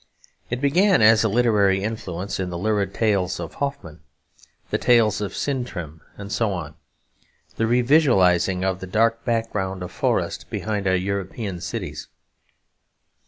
It began as a literary influence, in the lurid tales of Hoffmann, the tale of "Sintram," and so on; the revisualising of the dark background of forest behind our European cities.